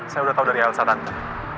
saya udah tau dari elsa tante